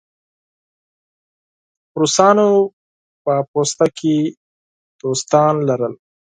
روسانو په پوسته کې دوستان درلودل.